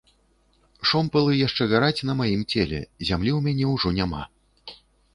Шомпалы яшчэ гараць на маім целе, зямлі ў мяне ўжо няма.